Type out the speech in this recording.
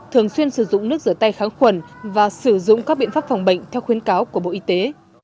thường xuyên sử dụng nước rửa tay kháng khuẩn và sử dụng các biện pháp phòng bệnh theo khuyến cáo của bộ y tế